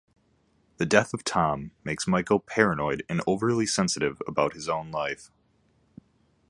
The death of Tom makes Michael paranoid and overly sensitive about his own life.